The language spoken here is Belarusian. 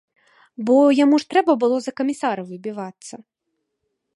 Бо яму ж трэба было за камісара выбівацца.